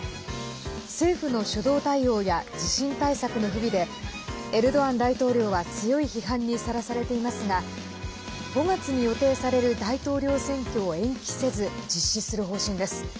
政府の初動対応や地震対策の不備でエルドアン大統領は強い批判にさらされていますが５月に予定される大統領選挙を延期せず、実施する方針です。